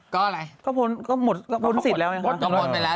ก็หมดสิทธิ์แล้วอย่างนั้นครับเขาหมดไปแล้วหรือ